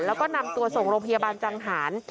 แล้วก็นำตัวส่งโรงพยาบาลจังหาร